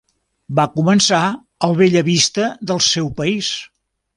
Va començar al Bella Vista del seu país.